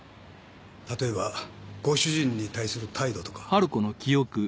例えばご主人に対する態度とか。